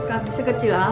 kadusnya kecil amat sih ya